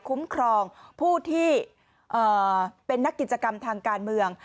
คุ้มครองผู้ที่เป็นนักกิจกรรมทางการเมือง